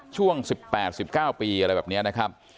ช่วงสิบแปดสิบเก้าปีอะไรแบบนี้นะครับ